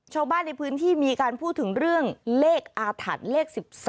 ชาวบ้านในพื้นที่มีการพูดถึงเรื่องเลขอาถรรพ์เลข๑๓